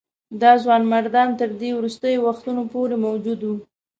دا ځوانمردان تر دې وروستیو وختونو پورې موجود وه.